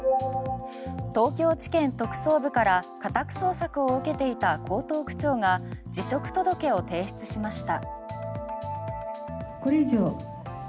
東京地検特捜部から家宅捜索を受けていた江東区長が辞職届を提出しました。